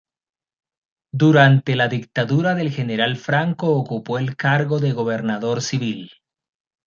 Durante el Dictadura del general Franco ocupó el cargo de gobernador civil.